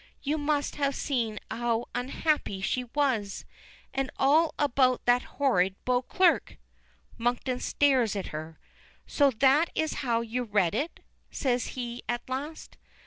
You must have seen how unhappy she was. And all about that horrid Beauclerk." Monkton stares at her. "So that is how you read it," says he at last.